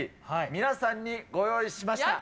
皆さんにご用意しました。